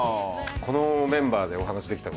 このメンバーでお話できたこと